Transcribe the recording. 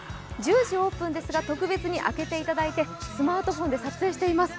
１０時オープンですが、特別に開けていただいてスマートフォンで撮影しています。